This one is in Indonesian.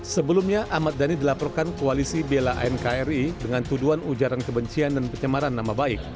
sebelumnya ahmad dhani dilaporkan koalisi bela nkri dengan tuduhan ujaran kebencian dan pencemaran nama baik